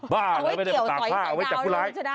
บ้าหรือไม่ได้ตากผ้าเอาไว้จัดผู้ร้าย